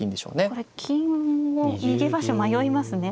これ金も逃げ場所迷いますね。